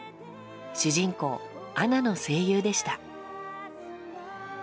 主人公アナの声優でした。